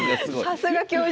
さすが教授！